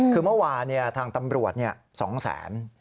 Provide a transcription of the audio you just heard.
คือเมื่อวานทางตำรวจ๒แสน